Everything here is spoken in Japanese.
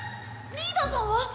リーダーさんは？